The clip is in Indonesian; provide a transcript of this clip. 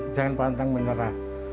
jangan pantang menerah